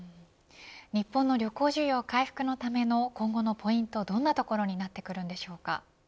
日本の旅行需要回復のための今後のポイントはどんなところになってくるでしょうか。